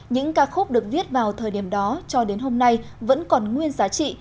những ca khúc được viết vào thời điểm đó cho đến hôm nay vẫn còn nguyên giá trị